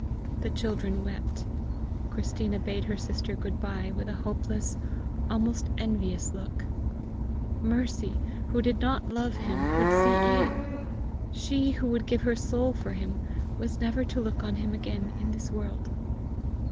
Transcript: The children wept. Christina bade her sister good bye with a hopeless, almost envious look: Mercy, who did not love him, would see Ian! She who would give her soul for him was never to look on him again in this world!